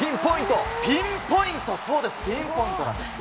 ピンポイント、そうです、ピンポイントなんです。